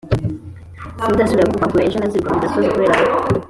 sinzasubira kukwakura; ejo ntaziruka ku gasozi kubera wowe